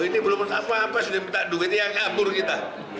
ini belum apa apa sudah minta duit yang kabur kita